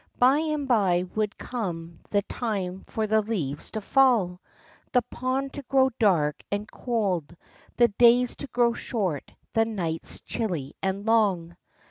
By and by would come the time for the leaves to fall, the pond to grow dark and cold, the days to grow short, the nights chilly and long.